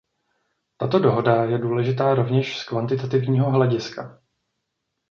Tato dohoda je důležitá rovněž z kvantitativního hlediska.